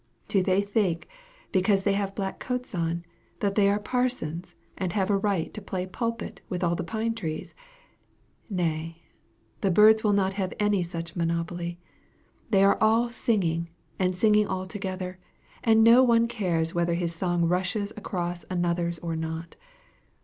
Do they think, because they have black coats on, that they are parsons, and have a right to play pulpit with all the pine trees? Nay. The birds will not have any such monopoly, they are all singing, and singing all together, and no one cares whether his song rushes across another's or not.